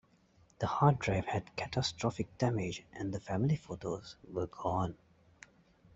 The hard drive had catastrophic damage and the family photos were gone.